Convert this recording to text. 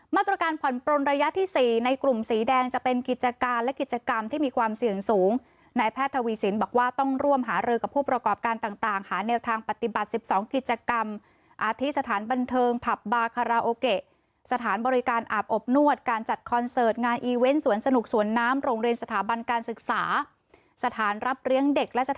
มาตรการผ่อนปลนระยะที่สี่ในกลุ่มสีแดงจะเป็นกิจการและกิจกรรมที่มีความเสี่ยงสูงในแพทย์ทวีสินบอกว่าต้องร่วมหารือกับผู้ประกอบการต่างต่างหาแนวทางปฏิบัติสิบสองกิจกรรมอาทิสถานบันเทิงผับบาคาราโอเกะสถานบริการอาบอบนวดการจัดคอนเสิร์ตงานอีเว้นสวนสนุกสวนน้ำโรงเรียนสถ